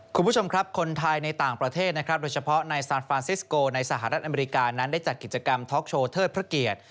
คุณผู้ชมครับคนไทยในต่างประเทศนะครับโดยเฉพาะในซานฟรานซิสโกในสหรัฐอเมริกานั้นได้จัดกิจกรรมท็อกโชว์เทิดพระเกียรติ